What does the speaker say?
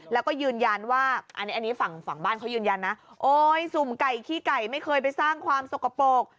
แล้วก็ยืนยันว่าอันนี้อันนี้ฝั่งฝั่งบ้านเขายืนยันนะโอ๊ยสุ่มไก่ขี้ไก่ไม่เคยไปสร้างความสกปรก